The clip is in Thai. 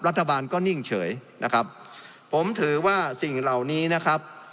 รัฐบาลก็นิ่งเฉยนะครับผมถือว่าสิ่งเหล่านี้นะครับ